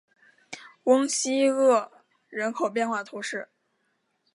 翁西厄人口变化图示